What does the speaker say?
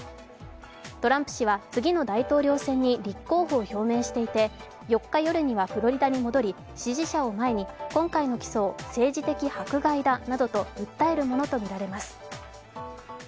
トランプ氏は次の大統領選に立候補を表明していて４日夜にはフロリダに戻り、支持者を前に今回の起訴を政治的迫害だなどと訴えるものとみられます。